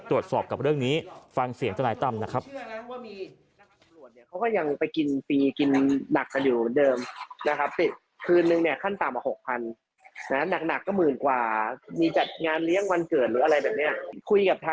ตรวจสอบกับเรื่องนี้ฟังเสียงทนายตั้มนะครับ